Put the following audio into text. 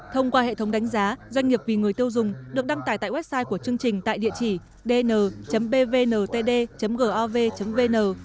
thông qua hệ thống đánh giá doanh nghiệp vì người tiêu dùng được đăng tải tại website của chương trình tại địa chỉ dn bvntd gov vn